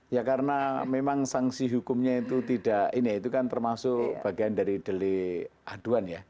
ya karena memang sanksi hukumnya itu tidak ini itu kan termasuk bagian dari delik aduan ya